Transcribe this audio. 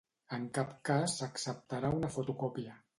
En cap cas s’acceptarà una fotocòpia.